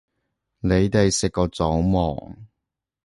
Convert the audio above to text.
你哋食過早吂